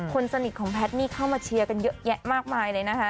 คนสนิทของแพทย์นี่เข้ามาเชียร์กันเยอะแยะมากมายเลยนะคะ